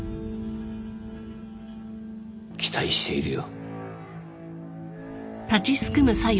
期待しているよ。